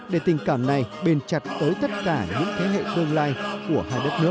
để tình cảm này bền chặt tới tất cả những thế hệ tương lai của hai đất nước